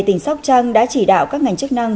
tỉnh sóc trăng đã chỉ đạo các ngành chức năng